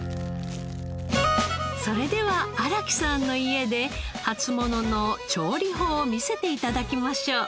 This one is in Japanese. それでは荒木さんの家で初物の調理法を見せて頂きましょう。